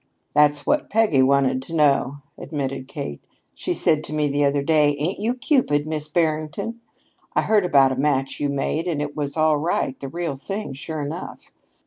"That's what Peggy wanted to know," admitted Kate. "She said to me the other day: 'Ain't you Cupid, Miss Barrington? I heard about a match you made up, and it was all right the real thing, sure enough.'